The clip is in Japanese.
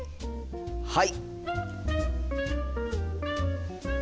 はい！